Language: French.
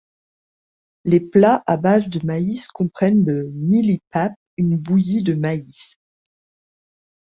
Les plats à base de maïs comprennent le mealie pap, une bouillie de maïs.